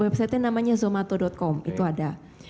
websitenya namanya zomato com itu ada